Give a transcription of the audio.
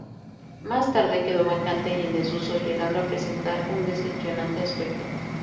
Más tarde quedó vacante y en desuso, llegando a presentar un decepcionante aspecto.